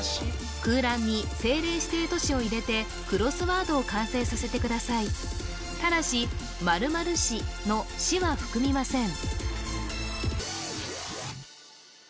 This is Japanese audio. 空欄に政令指定都市を入れてクロスワードを完成させてくださいただし○○市の「市」は含みません